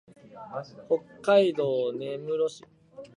北海道芽室町